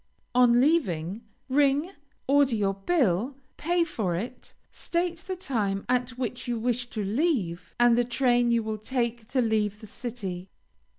On leaving, ring, order your bill, pay it, state the time at which you wish to leave, and the train you will take to leave the city.